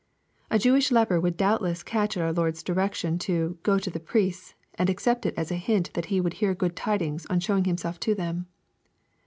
A Jewish leper would doubtless catch at our Lord's direction to *• go to the priests," and accept it as a hint that he would hear good tidings on showing himself to them.